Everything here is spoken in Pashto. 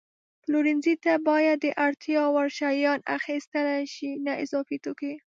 پلورنځي ته باید د اړتیا وړ شیان اخیستل شي، نه اضافي توکي.